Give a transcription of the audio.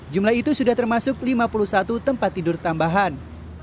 jumlah itu sudah termasuk lima puluh satu tempat tidur tambahan